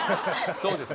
そうですか。